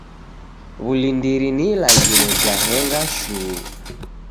W'ulindiri ni ilagho ja henga shuu.